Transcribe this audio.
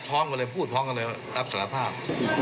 พ้องกันเลยพูดพ้องกันเลยรับสารภาพ